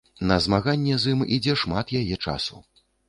На змаганне з ім ідзе шмат яе часу.